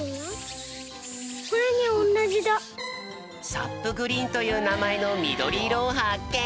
サップグリーンというなまえのみどりいろをはっけん！